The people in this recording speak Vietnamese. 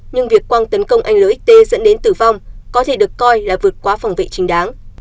nhưng việc quang tấn công anh lt dẫn đến tử vong có thể được coi là vượt qua phòng vệ chính đáng